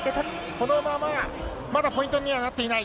このまま、まだポイントにはなっていない。